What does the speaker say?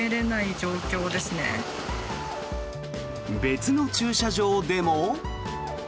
別の駐車場でも。